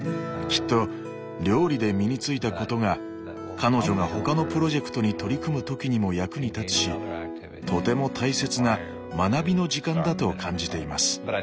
きっと料理で身についたことが彼女が他のプロジェクトに取り組む時にも役に立つしとても大切な学びの時間だと感じています。